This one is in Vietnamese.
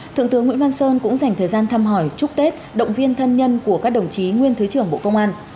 thượng tướng nguyễn văn sơn cũng dành thời gian thăm hỏi chúc tết động viên thân nhân của các đồng chí nguyên thứ trưởng bộ công an